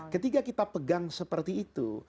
ketika kita pegang seperti itu